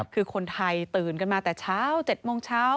คือคนไทยตื่นกันมาแต่เช้า๗โมงเช้า